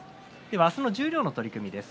明日の十両の取組です。